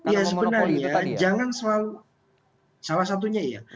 ya sebenarnya jangan selalu salah satunya ya